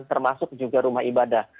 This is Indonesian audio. termasuk juga rumah ibadah